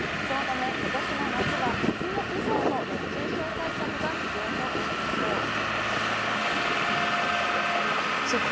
そのため今年の夏は、いつも以上の熱中症対策が必要となるでしょう。